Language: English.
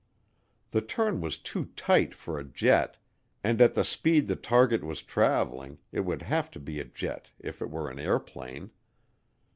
The turn was too tight for a jet, and at the speed the target was traveling it would have to be a jet if it were an airplane.